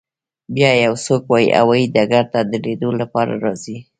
بیا یو څوک هوایی ډګر ته د لیدو لپاره راځي